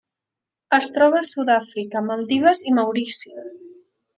Es troba a Sud-àfrica, Maldives i Maurici.